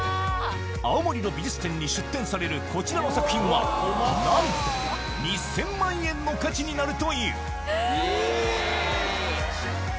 青森の美術展に出展されるこちらの作品はなんとの価値になるというえ！